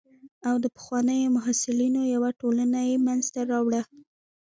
او د پخوانیو محصلینو یوه ټولنه یې منځته راوړه.